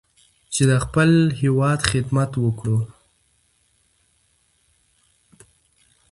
چې د خپل هېواد خدمت وکړو.